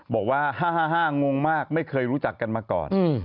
บอกว่า๕๕งงมากไม่เคยรู้จักกันมาก่อน